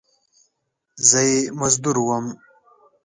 زه یې مزدور وم !